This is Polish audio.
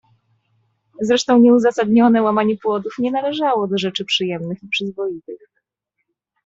"Zresztą nieuzasadnione łamanie płotów nie należało do rzeczy przyjemnych i przyzwoitych."